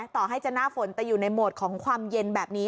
ต่อให้จะหน้าฝนแต่อยู่ในโหมดของความเย็นแบบนี้